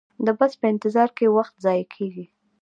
د بس په انتظار کې وخت ضایع کیږي